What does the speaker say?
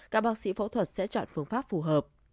các bác sĩ phẫu thuật sẽ chọn phương pháp phù hợp